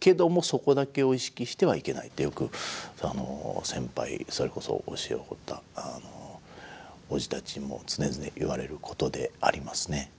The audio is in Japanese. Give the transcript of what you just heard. けどもそこだけを意識してはいけないってよく先輩それこそ教えを乞うたおじたちにも常々言われることでありますね。